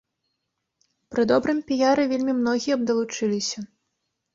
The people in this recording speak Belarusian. Пры добрым піяры вельмі многія б далучыліся.